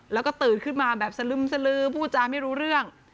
แล้วก็ตื่นขึ้นมาแบบสลึมสลือพูดจาไม่รู้เรื่อง